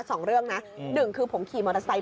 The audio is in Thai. สองเรื่องนะหนึ่งคือผมขี่มอเตอร์ไซค์